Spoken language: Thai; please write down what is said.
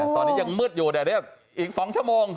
ตอนนี้ยังมืดอยู่เดี๋ยวอีก๒ชั่วโมง